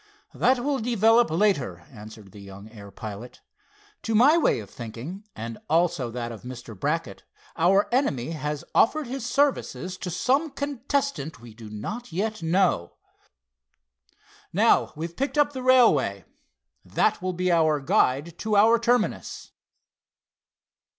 "That will develop later," answered the young air pilot. "To my way of thinking, and also that of Mr. Brackett, our enemy has offered his services to some contestant we do not yet know. Now we've picked up the railway. That will be our guide to our terminus."